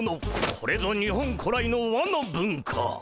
これぞ日本古来の和の文化。